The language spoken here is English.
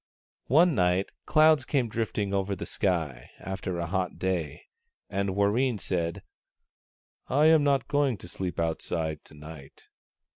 One night, clouds came drifting over the sky, after a hot day, and Warreen said, " I am not going to sleep outside to night."